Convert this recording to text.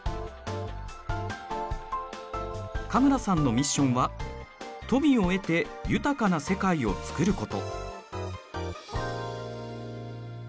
加村さんのミッションは「富を得て豊かな世界をつくる」こと。